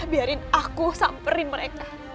biarin aku samperin mereka